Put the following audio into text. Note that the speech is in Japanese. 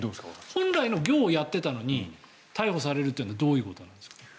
本来の業をやっていたのに逮捕されるというのはどういうことなんですか？